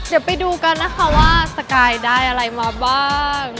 เดี๋ยวไปดูกันนะคะว่าสกายได้อะไรมาบ้าง